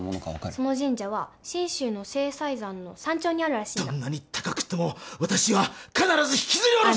その神社は信州の西塞山の山頂にあるらしいのどんなに高くっても私は必ず引きずり下ろす！